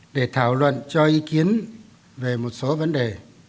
để thảo luận cho ý kiến về một số vấn đề